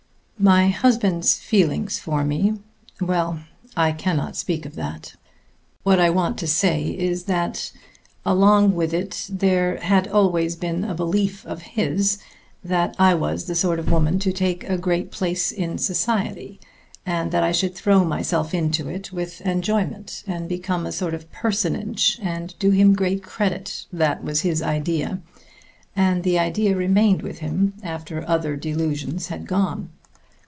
My husband's feeling for me ... well, I cannot speak of that ... what I want to say is that along with it there had always been a belief of his that I was the sort of woman to take a great place in society, and that I should throw myself into it with enjoyment and become a sort of personage and do him great credit that was his idea; and the idea remained with him after other delusions had gone.